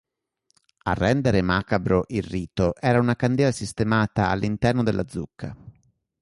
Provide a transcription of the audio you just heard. A rendere macabro il rito era una candela sistemata all'interno della zucca.